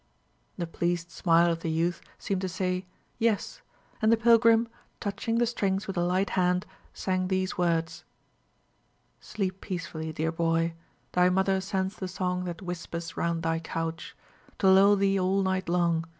The pleased smile of the youth seemed to say, Yes; and the pilgrim, touching the strings with a light hand, sang these words: "Sleep peacefully, dear boy; Thy mother sends the song That whispers round thy couch, To lull thee all night long.